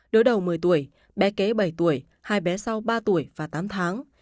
đối đầu một mươi tuổi bé kế bảy tuổi hai bé sau ba tuổi và tám tháng